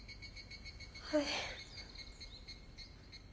はい。